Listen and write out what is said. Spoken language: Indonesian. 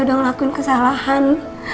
udah ngelakuin kesalahan